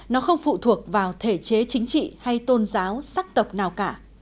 nó không phụ thuộc vào thể chế chính trị hay tôn giáo sắc tộc nào cả